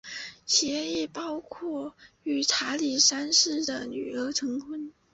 协议包含与查理三世的女儿成婚。